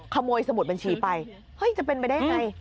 ขโมยสมุดบัญชีไปเฮ้ยจะเป็นไปได้ไง